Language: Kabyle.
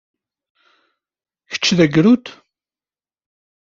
Kečč d agrud?